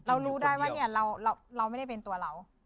รู้ได้ว่าเนี่ยเราไม่ได้เป็นตัวเรา